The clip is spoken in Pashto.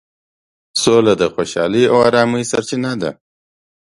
سوله د خوشحالۍ او ارامۍ سرچینه ده.